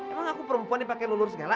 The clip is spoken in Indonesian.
emang aku perempuan yang pakaikan lulur segala